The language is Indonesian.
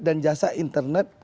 dan jasa internet